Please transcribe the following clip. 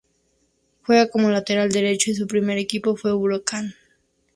Juega como lateral derecho y su primer equipo fue Huracán.